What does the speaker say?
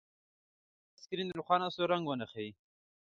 او د هغه سکرین روښانه سور رنګ ونه ښيي